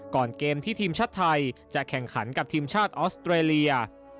ก่อนเกมที่ทีมชาติไทยจะแข่งขันกับทีมชาติออสเตรเลีย